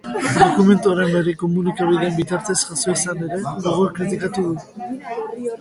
Dokumentu horren berri komunikabideen bitartez jaso izan ere gogor kritikatu du.